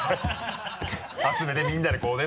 集めてみんなでこうね